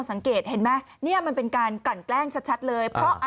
สังเกตเห็นไหมเนี่ยมันเป็นการกลั่นแกล้งชัดเลยเพราะอะไร